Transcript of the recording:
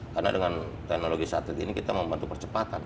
karena dengan teknologi satelit ini kita membantu percepatan